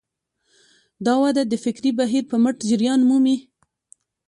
دا وده د فکري بهیر په مټ جریان مومي.